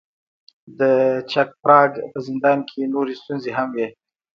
د چک پراګ په زندان کې نورې ستونزې هم وې.